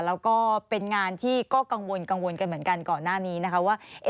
แล้วก็เป็นงานที่ก็กังวลกังวลกันเหมือนกันก่อนหน้านี้นะคะว่า